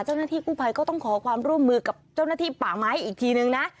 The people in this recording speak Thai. เจ้าหน้าที่กู้ภัยก็ต้องขอความร่วมมือกับเจ้าหน้าที่ป่าไม้อีกทีนึงนะ